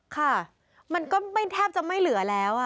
ค่ะมันก็ไม่แทบจะไม่เหลือแล้ว